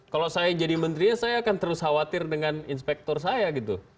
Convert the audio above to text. kalau saya jadi menterinya saya akan terus khawatir dengan inspektor saya gitu